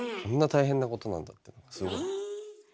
こんな大変なことなんだってすごい。